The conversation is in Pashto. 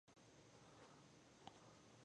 • اور د سړو ژمو په اوږدو کې تودوخه رامنځته کړه.